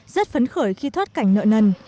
rất phấn khởi khi thoát cảnh nợ nần